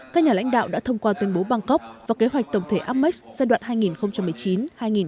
các nhà lãnh đạo đã thông qua tuyên bố bangkok và kế hoạch tổng thể ames giai đoạn hai nghìn một mươi chín hai nghìn hai mươi